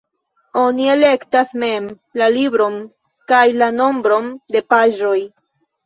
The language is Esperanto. Oni elektas mem la libron kaj la nombron de paĝoj.